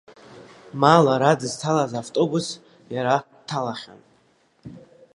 Ма лара дызҭалаз автобус иара дҭалахьан.